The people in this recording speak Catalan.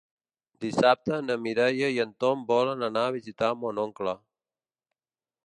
Dissabte na Mireia i en Tom volen anar a visitar mon oncle.